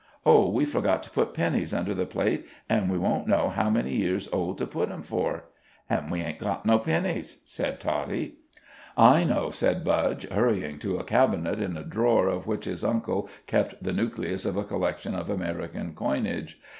Oh, we forgot to put pennies under the plate, and we don't know how many years old to put 'em for." "An' we ain't got no pennies," said Toddie. "I know," said Budge, hurrying to a cabinet in a drawer of which his uncle kept the nucleus of a collection of American coinage.